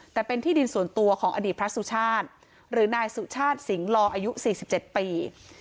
แต่เป็นที่ดินส่วนตัวของอดีตพระสุชาติหรือนายสุชาติสิงหลออายุ๔๗ปี